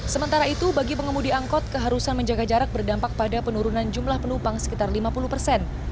sementara itu bagi pengemudi angkut keharusan menjaga jarak berdampak pada penurunan jumlah penumpang sekitar lima puluh persen